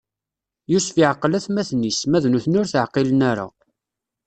Yusef iɛqel atmaten-is, ma d nutni ur t-ɛqilen ara.